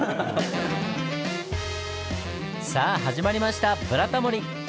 さあ始まりました「ブラタモリ」！